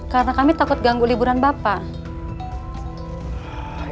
karena kami takut ganggu liburan bapak